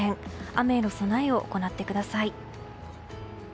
雨への備えを行ってください。